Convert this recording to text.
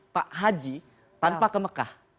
pak haji tanpa ke mekah